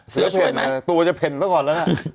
เมื่อขอพักแป้งก่อน